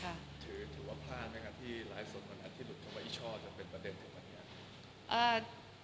หรือถือว่าพลาดยังงั้นที่หลายส่วนคนที่หลุดเข้าไปอิช่อจะเป็นประเด็นถึงวันนี้